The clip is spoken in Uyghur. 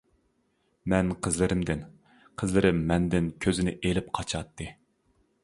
مەن قىزلىرىمدىن، قىزلىرىم مەندىن كۆزىنى ئېلىپ قاچاتتى.